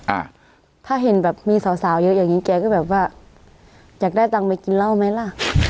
อ่าถ้าเห็นแบบมีสาวสาวเยอะอย่างงี้แกก็แบบว่าอยากได้ตังค์ไปกินเหล้าไหมล่ะ